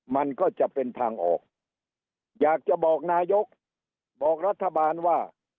มันก็จะเป็นทางออกอยากจะบอกนายกบอกรัฐบาลว่า